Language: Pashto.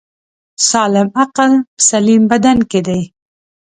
سالم عقل په سلیم بدن کی دی